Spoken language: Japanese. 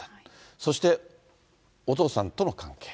そして、お父さんとの関係。